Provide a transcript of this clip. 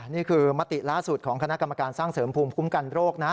นี่คือมติล่าสุดของคณะกรรมการสร้างเสริมภูมิคุ้มกันโรคนะ